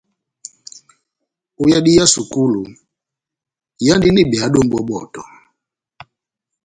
Ó yadi ya sukulu, ihándini behado mʼbɔbɔtɔ.